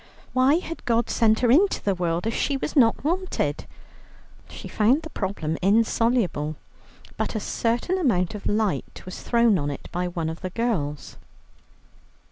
Why had God sent her into the world, if she was not wanted? She found the problem insoluble, but a certain amount of light was thrown on it by one of the girls.